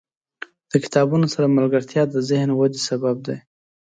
• د کتابونو سره ملګرتیا، د ذهن ودې سبب دی.